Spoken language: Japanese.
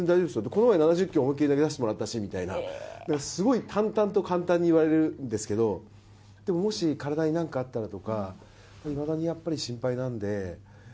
この前７０球思いっきり投げさせてもらったしってすごい淡々と簡単に言われるんですけど、でももし体に何かあったらとかいまだに心配なので。